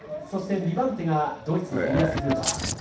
そして２番手がドイツのエリアス・フーバー。